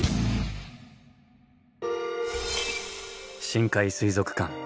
深海水族館。